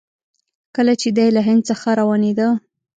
کله چې دی له هند څخه روانېده.